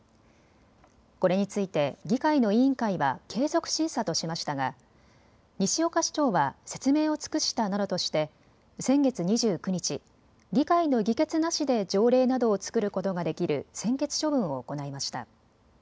これについて議会の委員会は継続審査としましたが西岡市長は説明を尽くしたなどとして先月２９日、議会の議決なしで条例などを作ることができる専決処分を行いました。